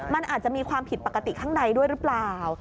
มันอาจจะมีความผิดปกติข้างในด้วยหรือเปล่า